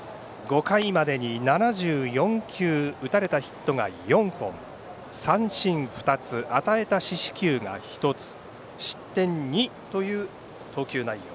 ５回までに７４球打たれたヒットが４本三振２つ、与えた四死球が１つ失点２という投球内容。